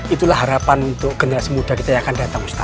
itulah harapan untuk generasi muda kita yang akan datang ustadz